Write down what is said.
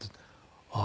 「ああ。